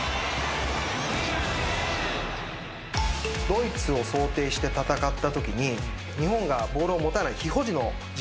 ドイツを想定して戦ったときに日本がボールを持たない非保持の時間が多いと思うんですね。